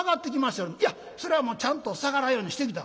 「いやそれはもうちゃんと下がらんようにしてきた」。